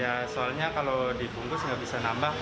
ya soalnya kalau dibungkus nggak bisa nambah